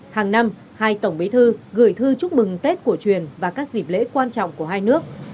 hàng năm hai tổng bế thư gửi thư chúc mừng tết cổ truyền và các dịp lễ quan trọng của hai nước